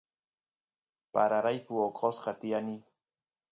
pararayku oqosqa tiyani